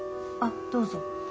あっどうぞ。